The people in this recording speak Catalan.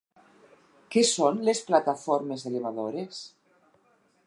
Què són les plataformes elevadores?